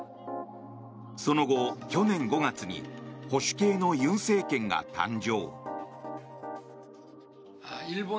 その後、去年５月に保守系の尹政権が誕生。